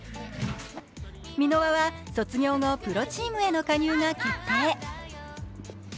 箕輪は卒業後、プロチームへの加入が決定。